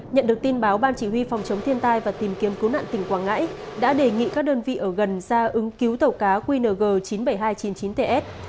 nhận được tin báo ban chỉ huy phòng chống thiên tai và tìm kiếm cứu nạn tỉnh quảng ngãi đã đề nghị các đơn vị ở gần ra ứng cứu tàu cá qng chín mươi bảy nghìn hai trăm chín mươi chín ts